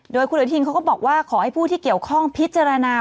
โดยคุณอนุทินเขาก็บอกว่าขอให้ผู้ที่เกี่ยวข้องพิจารณา